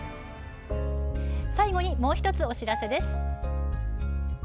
最後に１つ、お知らせです。